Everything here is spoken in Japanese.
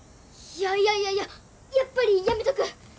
いやいやいやいややっぱりやめとく！